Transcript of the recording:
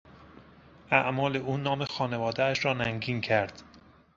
اعمال او نام خانوادهاش را ننگین کرد.